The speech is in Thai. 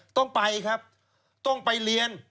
ต้องไปครับต้องไปเรียน